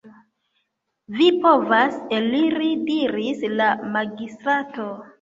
Vi povas eliri, diris la magistrato.